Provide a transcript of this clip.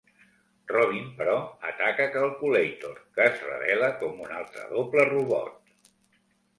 Robin, però, ataca Calculator, que es revela com un altre doble robot.